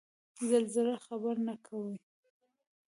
زلزله خبر نه کوي